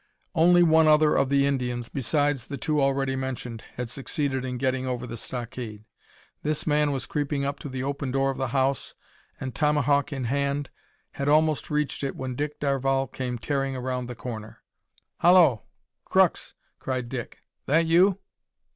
Only one other of the Indians, besides the two already mentioned, had succeeded in getting over the stockade. This man was creeping up to the open door of the house, and, tomahawk in hand, had almost reached it when Dick Darvall came tearing round the corner. "Hallo! Crux," cried Dick, "that you?"